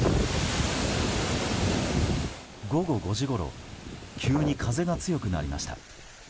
午後５時ごろ急に風が強くなりました。